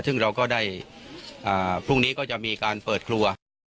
ซึ่งเราก็ได้พรุ่งนี้ก็จะมีการเปิดครัว